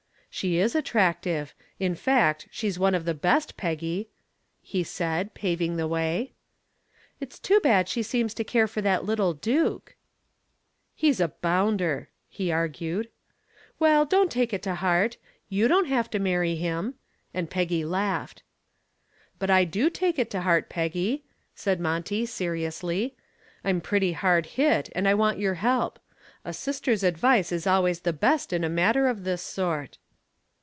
"She is attractive. In fact, she's one of the best, Peggy," he said, paving the way. "It's too bad she seems to care for that little Duke." "He's a bounder," he argued. "Well, don't take it to heart. You don't have to marry him," and Peggy laughed. "But I do take it to heart, Peggy," said Monty, seriously. "I'm pretty hard hit, and I want your help. A sister's advice is always the best in a matter of this sort."